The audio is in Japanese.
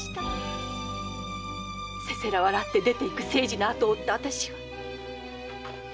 せせら笑って出ていく清次の後を追った私は。